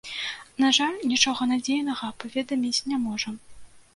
На жаль, нічога надзейнага паведаміць не можам.